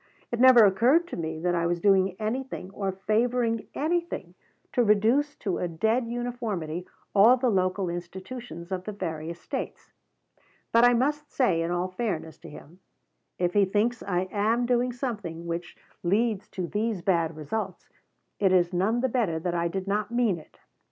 It never occurred to me that I was doing anything or favoring anything to reduce to a dead uniformity all the local institutions of the various States. But I must say, in all fairness to him, if he thinks I am doing something which leads to these bad results, it is none the better that I did not mean it.